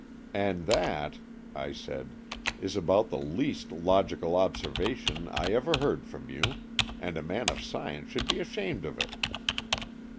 " And that," I said, is about the least logical observation I ever heard from you, and a man of science should be ashamed of it."